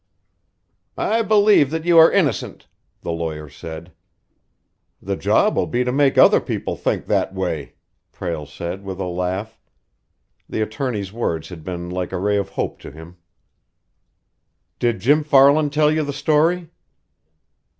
"I believe that you are innocent," the lawyer said. "The job will be to make other people think that way," Prale said, with a laugh. The attorney's words had been like a ray of hope to him. "Did Jim Farland tell you the story?"